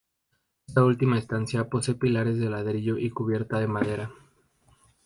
Esta última estancia posee pilares de ladrillo y cubierta de madera.